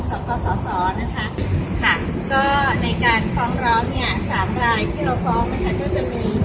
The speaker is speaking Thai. ก็ในการฟ้องร้อน๓รายที่เราฟ้องก็จะมี